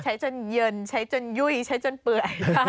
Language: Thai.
ใช้จนเย็นใช้จนยุ่ยใช้จนเปื่อย